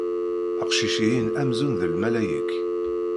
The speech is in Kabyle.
Aqcic-ihin amzun d lmalayek.